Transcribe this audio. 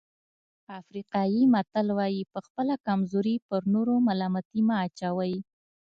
افریقایي متل وایي په خپله کمزوري پر نورو ملامتي مه اچوئ.